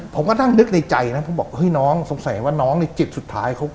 ผมก็นั่งนึกในใจนะผมบอกเฮ้ยน้องสงสัยว่าน้องเนี่ยเจ็บสุดท้าย